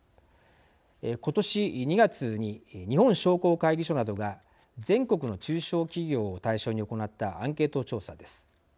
今年２月に日本商工会議所などが全国の中小企業を対象に行ったアンケート調査です。